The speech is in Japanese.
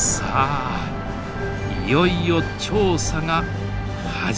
いよいよ調査が始まります。